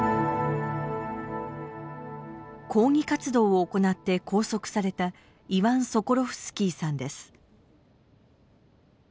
抗議活動を行って拘束されたイワン・ソコロフスキーさんです。